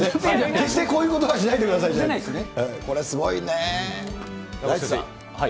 決してこういうことはしないですね。